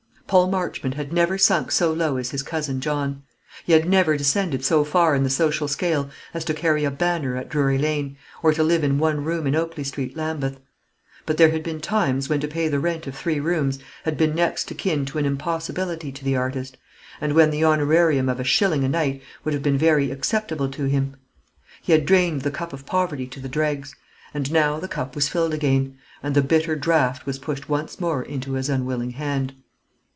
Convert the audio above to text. Paul Marchmont had never sunk so low as his cousin John. He had never descended so far in the social scale as to carry a banner at Drury Lane, or to live in one room in Oakley Street, Lambeth. But there had been times when to pay the rent of three rooms had been next kin to an impossibility to the artist, and when the honorarium of a shilling a night would have been very acceptable to him. He had drained the cup of poverty to the dregs; and now the cup was filled again, and the bitter draught was pushed once more into his unwilling hand.